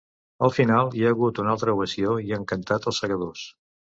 Al final, hi ha hagut una altra ovació i han cantat ‘Els segadors’.